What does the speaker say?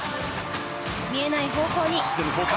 見えない方向に。